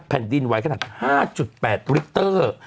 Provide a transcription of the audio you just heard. แผ่นดินไวดูสิขนาด๕๘ลิตเตอร์